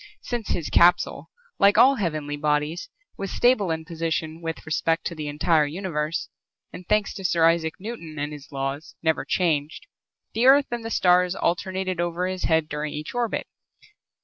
Since his capsule, like all heavenly bodies, was stable in position with respect to the entire universe and, thanks to Sir Isaac Newton and his laws, never changed, the Earth and the stars alternated over his head during each orbit.